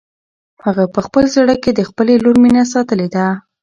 هغه په خپل زړه کې د خپلې لور مینه ساتلې ده.